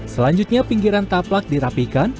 selanjutnya pinggiran taplak dirapihkan